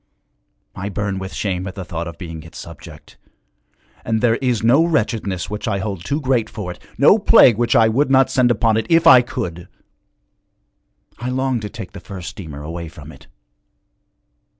I burn with shame at the thought of being its subject, and there is no wretchedness which I hold too great for it, no plague which I would not send upon it if I could! I long to take the first steamer away from it.'